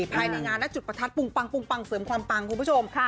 ภายในงานนะจุดประทัดปุงปังปุงปังเสริมความปังคุณผู้ชม